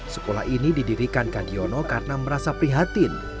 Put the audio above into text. sekolah ini didirikan kak yono karena merasa prihatin